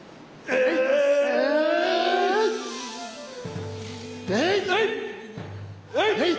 えい！